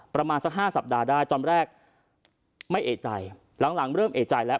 ประมาณสักห้าสัปดาห์ได้ตอนแรกไม่เอกใจหลังเริ่มเอกใจแล้ว